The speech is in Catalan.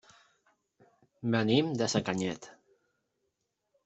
Venim de Sacanyet.